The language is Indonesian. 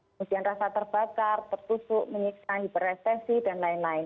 kemudian rasa terbakar tertusuk menyiksa hiperresesi dan lain lain